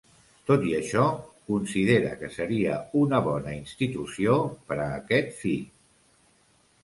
Tot i això, considera que seria una bona institució ‘per a aquest fi’.